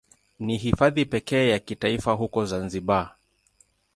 Ni Hifadhi pekee ya kitaifa huko Zanzibar.